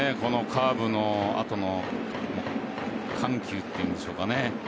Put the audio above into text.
カーブの後の緩急というんでしょうかね。